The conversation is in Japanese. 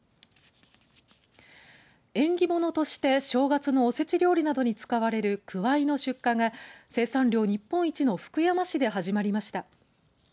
縁起物として正月のおせち料理などに使われるくわいの出荷が生産量日本一の福山市で始まりました。